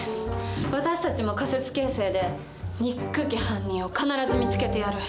私たちも仮説形成でにっくき犯人を必ず見つけてやる。